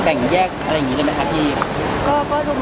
แต่ถ้าคนรู้ว่าเฟิร์ลบ่างเอินก็ไม่เป็นไร